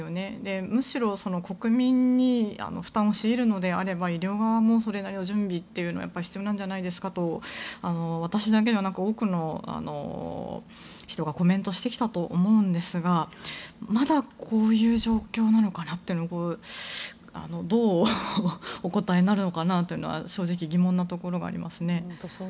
むしろ国民に負担を強いるのであれば医療側もそれなりの準備というのが必要なんじゃないですかと私だけではなく多くの人がコメントしてきたと思うんですがまだこういう状況なのかなってどう、お答えになるのかなというのは正直疑問なところがありますね。